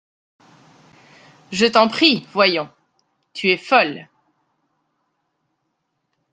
Je t’en prie, voyons ! tu es folle !